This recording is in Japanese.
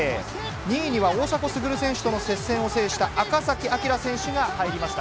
２位には大迫傑選手との接戦を制した赤崎暁選手が入りました。